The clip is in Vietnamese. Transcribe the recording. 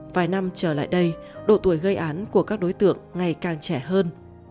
vài năm trở lại đây độ tuổi gây án của các đối tượng ngày càng trẻ hơn